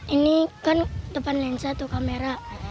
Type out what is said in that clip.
ini kan depan lensa tuh kamera